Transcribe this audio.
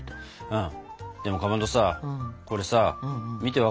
うん。